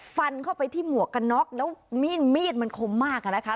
ฟันเข้าไปที่หมวกกันน็อกแล้วมีดมีดมันคมมากอะนะคะ